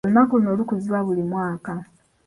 Olunaku luno lukuzibwa buli mwaka.